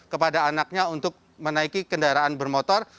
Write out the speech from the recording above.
kepada anaknya untuk menaiki kendaraan bermotor